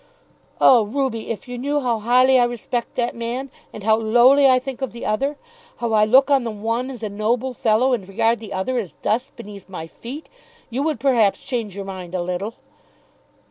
"Oh, Ruby, if you knew how highly I respect that man, and how lowly I think of the other; how I look on the one as a noble fellow, and regard the other as dust beneath my feet, you would perhaps change your mind a little."